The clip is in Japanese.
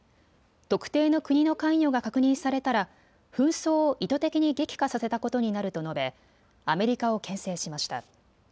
特定の国の関与が確認されたら紛争を意図的に激化させたことになると述べ、アメリカをけん制しました。